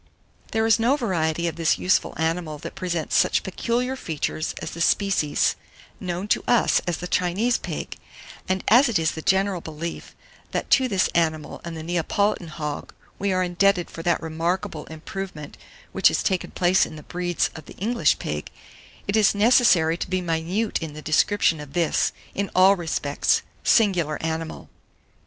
785. THERE IS NO VARIETY OF THIS USEFUL ANIMAL that presents such peculiar features as the species known to us as the Chinese pig; and as it is the general belief that to this animal and the Neapolitan hog we are indebted for that remarkable improvement which has taken place in the breeds of the English pig, it is necessary to be minute in the description of this, in all respects, singular animal.